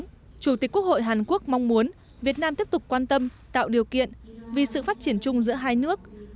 trong đó chủ tịch quốc hội hàn quốc mong muốn việt nam tiếp tục quan tâm tạo điều kiện vì sự phát triển chung giữa hai nước